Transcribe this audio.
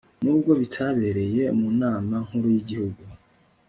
n'ubwo bitabereye mu nama nkuru y'igihugu